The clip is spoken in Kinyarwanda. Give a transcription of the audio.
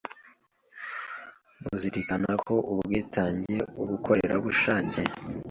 ruzirikana ko ubwitange ubukorerabushake